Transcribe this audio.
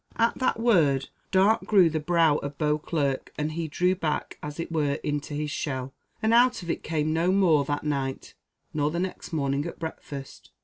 At that word dark grew the brow of Beauclerc, and he drew back, as it were, into his shell, and out of it came no more that night, nor the next morning at breakfast.